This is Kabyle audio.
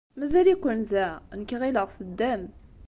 Mazal-iken da? Nekk ɣileɣ teddam.